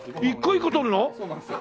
そうなんですよ。